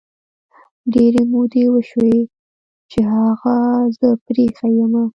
ډیري مودې وشوی چې هغه زه پری ایښي یمه